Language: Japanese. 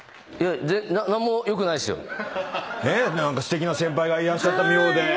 何かすてきな先輩がいらっしゃった妙で。